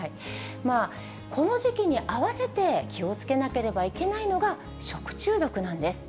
この時期に合わせて気をつけなければいけないのが、食中毒なんです。